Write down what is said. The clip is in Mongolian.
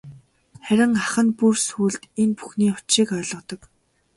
Харин ах нь бүр сүүлд энэ бүхний учрыг ойлгодог.